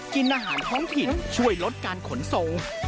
กินอาหารท้องถิ่นช่วยลดการขนส่ง